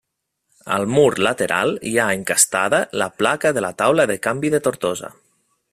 Al mur lateral hi ha encastada la placa de la taula de canvi de Tortosa.